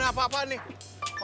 wah apa apaan nih